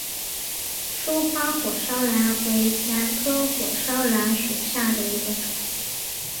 疏花火烧兰为兰科火烧兰属下的一个种。